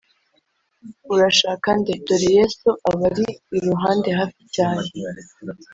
urashaka nde ?» dore [yesu] abari iruhande hafi cyane,